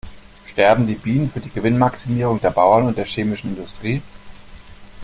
Sterben die Bienen für die Gewinnmaximierung der Bauern und der chemischen Industrie?